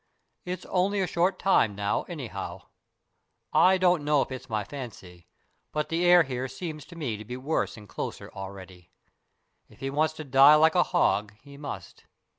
It's only a short time now, anyhow. I don't know if it's my fancy, but the air here seems to me to be worse and closer already. If he wants to die like a hog, he must.